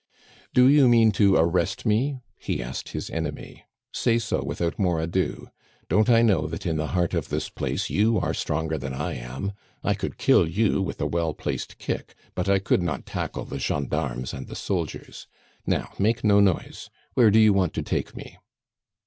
"Do you mean to arrest me?" he asked his enemy. "Say so without more ado. Don't I know that in the heart of this place you are stronger than I am? I could kill you with a well placed kick, but I could not tackle the gendarmes and the soldiers. Now, make no noise. Where to you want to take me?"